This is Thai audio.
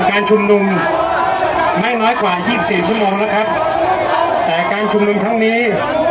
การชุมนุมไม่น้อยกว่า๒๔ชั่วโมงอักนะคะแต่การชุมนุมทั้งนี้